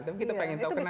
tapi kita ingin tahu kenapa